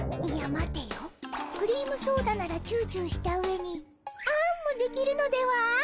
待てよクリームソーダならチューチューしたうえにあんもできるのでは？